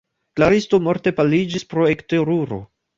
Klaristo morte paliĝis pro ekteruro.